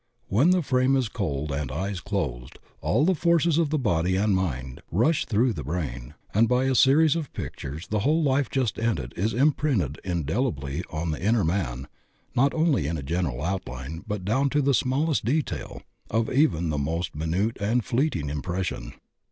When the frame is cold and eyes closed, all the forces of the body and mind rush through the brain, and by a series of pictures the whole life just ended is imprinted indelibly on the inner man not only in a general outline but down to the smallest detail of even the most minute and fleet ing impression.